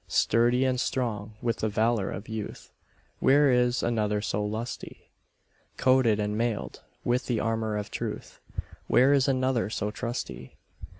Sturdy and strong, with the valour of youth, Where is another so lusty? Coated and mailed, with the armour of truth, Where is another so trusty?